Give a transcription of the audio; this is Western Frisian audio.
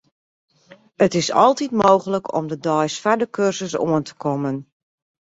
It is altyd mooglik om de deis foar de kursus oan te kommen.